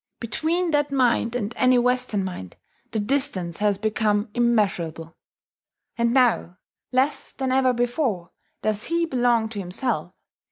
Between that mind and any Western mind the distance has become immeasurable. And now, less than ever before, does he belong to himself.